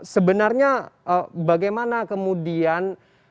sebenarnya bagaimana kemudian